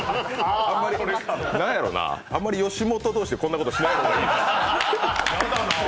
何やろな、あんまりよしもと同士でこんなことしない方がいい。